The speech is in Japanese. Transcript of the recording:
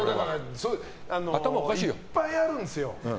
いっぱいあるんですよ。